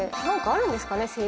何かあるんですかね？